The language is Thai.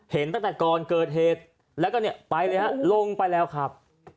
เห็นตั้งแต่ก่อนเกิดเหตุแล้วก็เนี่ยไปเลยฮะลงไปแล้วครับ